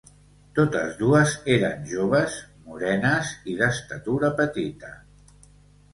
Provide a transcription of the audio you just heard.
Totes dues eren joves, morenes i d'estatura petita.